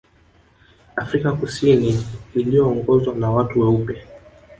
Afrika Kusini iliyoongozwa na watu weupe